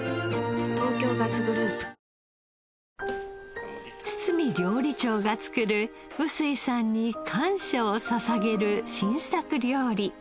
東京ガスグループ堤料理長が作る臼井さんに感謝をささげる新作料理。